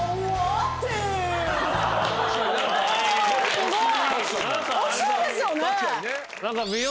すごい！